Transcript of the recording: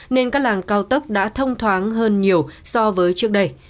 nên các làng cao tốc đã thông thoáng hơn nhiều so với trước đây